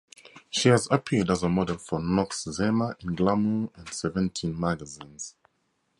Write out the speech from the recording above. She has appeared as a model for Noxzema in "Glamour" and "Seventeen" magazines.